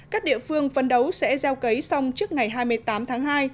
các địa phương phấn đấu sẽ gieo cấy xong trước ngày hai mươi tám tháng hai